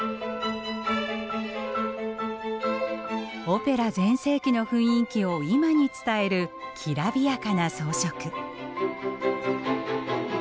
オペラ全盛期の雰囲気を今に伝えるきらびやかな装飾。